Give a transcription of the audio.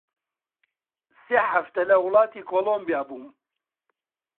سێ حەفتە لە وڵاتی کۆڵۆمبیا بووم